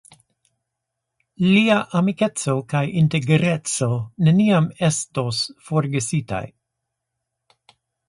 Lia amikeco kaj integreco neniam estos forgesitaj.